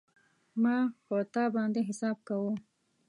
ما په تا باندی حساب کاوه